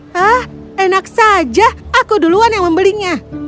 hah enak saja aku duluan yang membelinya